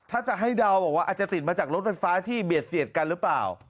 ถ้าจะให้เดาบอกว่าอาจจะติดมาจากรถไฟฟ้าที่เบียดเสียดกันหรือเปล่า